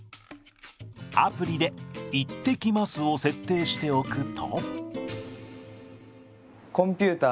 アプリで「いってきます」を設定しておくと。